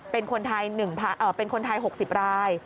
เป็นคนไทย๖๐ราย